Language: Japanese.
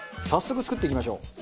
早速、作っていきましょう。